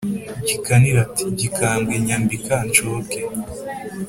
gikanira ati: “gikambwe nyambika nshoke!”